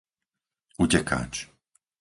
Utekáč